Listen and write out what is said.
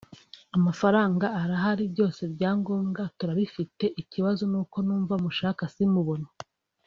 amafaranga arahari byose bya ngombwa turabifite ikibazo nuko numva mushaka simubone